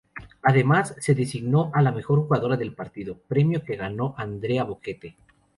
Además, se designó a la mejor jugadora del partido, premio que ganó Andrea Boquete.